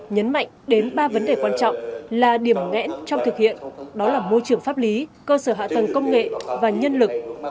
nhấn mạnh đến ba vấn đề quan trọng là điểm ngẽn trong thực hiện đó là môi trường pháp lý cơ sở hạ tầng công nghệ và nhân lực